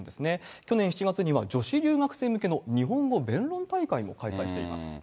去年７月には、女子留学生向けの日本語弁論大会も開催しています。